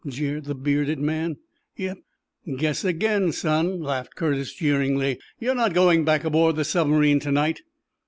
jeered the bearded man. "Yep." "Guess again, son," laughed Curtis, jeeringly. "You're not going back aboard the submarine to night."